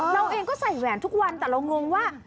เราเองก็ใส่แหวนทุกวันแต่เรางงว่า